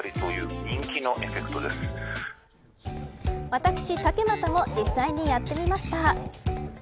私、竹俣も実際にやってみました。